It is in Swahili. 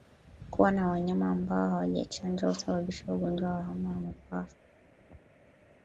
Kuwa na wanyama ambao hawajachanjwa husababisha ugonjwa wa homa ya mapafu